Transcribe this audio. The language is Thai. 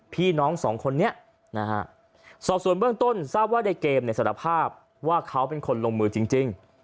พี่น้อง๒คนนี้นะฮะสอบส่วนเพิ่มต้นทราบว่าได้เกมสันผทาว่าเขาเป็นคนลงมือจริง